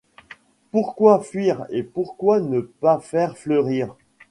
Pourquoi fuir, et pourquoi ne pas faire fleurir